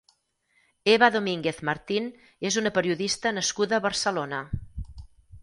Eva Domínguez Martín és una periodista nascuda a Barcelona.